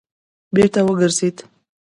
بېرته وګرځېد.